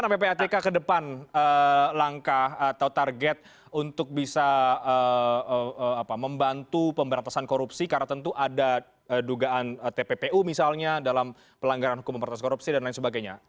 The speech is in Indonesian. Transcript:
pelanggaran hukum pemertas korupsi dan lain sebagainya